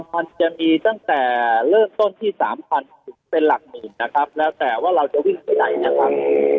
มันจะมีตั้งแต่เริ่มต้นที่สามพันถึงเป็นหลักหมื่นนะครับแล้วแต่ว่าเราจะวิ่งไปไหนนะครับ